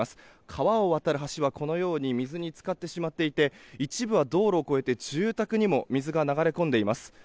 川を渡る橋はこのように水に浸かってしまっていて一部は道路を越えて住宅にも水が流れ込んでいます。